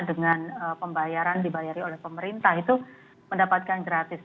dengan pembayaran dibayari oleh pemerintah itu mendapatkan gratis